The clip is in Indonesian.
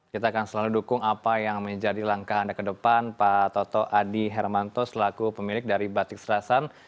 kita akan selalu dukung apa yang menjadi langkah anda ke depan pak toto adi hermanto selaku pemilik dari batik serasan